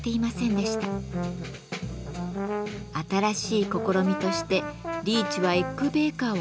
新しい試みとしてリーチはエッグ・ベーカーを提案したのです。